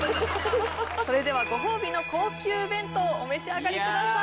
それではご褒美の高級弁当お召し上がりください